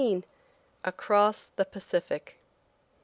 ACROSS THE PACIFIC.